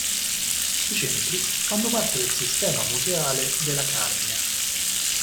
I centri fanno parte del sistema museale della Carnia.